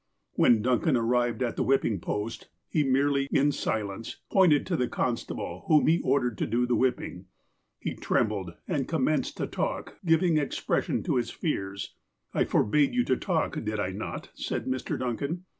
When Duncan arrived at the whipping post, he merely, in silence, pointed to the constable, whom he ordered to do the whipping. He trembled, and commenced to talk, giving expression to his fears. I forbade you to talk, did I not? " said Mr. Duncan.